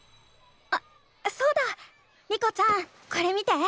あそうだ。リコちゃんこれ見て。